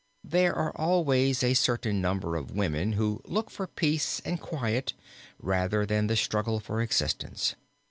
There are always a certain number of women who look for peace and quiet rather than the struggle for existence.